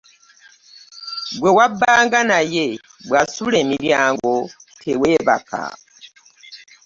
Gwe wabbanga naye bwasula emiryango tewebaka .